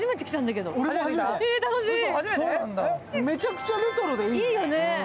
めちゃめちゃレトロでいいよね。